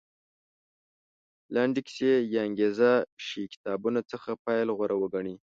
لنډې کیسې یا انګېزه شي کتابونو څخه پیل غوره وګڼي.